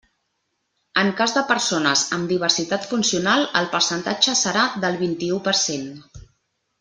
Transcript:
En cas de persones amb diversitat funcional el percentatge serà del vint-i-u per cent.